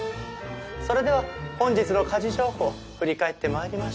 それでは本日の家事情報振り返って参りましょう。